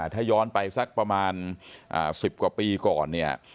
ถ้าย้อนไปสักประมาณ๑๐กว่าปีก่อนเนี่ย